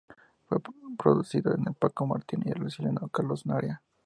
Fue producido por Paco Martín y el chileno Carlos Narea.